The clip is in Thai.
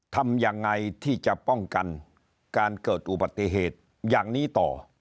ทำยังไงที่จะป้องกันการเกิดอุบัติเหตุอย่างนี้ต่อ